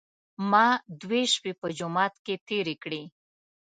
ما دوې شپې په جومات کې تېرې کړې.